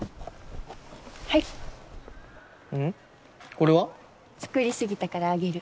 これは？作り過ぎたからあげる。